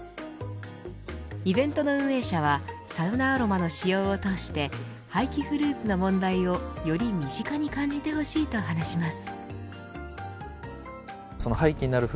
イベントの運営者はサウナアロマの使用を通して廃棄フルーツの問題をより身近に感じてほしいと話します。